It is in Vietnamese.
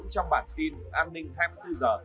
trong bản tin an ninh hai mươi bốn h